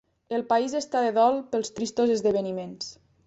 El país està de dol pels tristos esdeveniments.